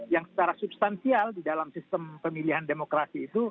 yang secara substansial di dalam sistem pemilihan demokrasi itu